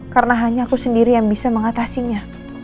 karena hanya aku sendiri yang bisa mengatasinya